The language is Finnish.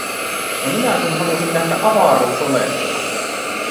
Ja minä kun halusin nähdä avaruusolentoja!